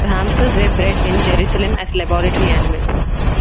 The hamsters were bred in Jerusalem as laboratory animals.